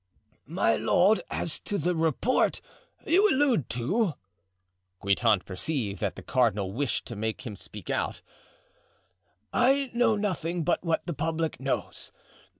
"My lord, as to the report you allude to"—Guitant perceived that the cardinal wished to make him speak out—"I know nothing but what the public knows.